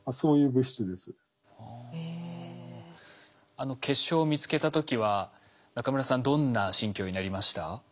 あの結晶を見つけた時は中村さんどんな心境になりました？